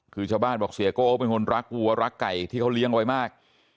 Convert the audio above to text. คือชาวบ้านบอกเสียโก้เป็นคนรักวัวรักไก่ที่เขาเลี้ยงไว้มาก